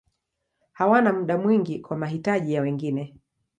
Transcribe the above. Hawana muda mwingi kwa mahitaji ya wengine.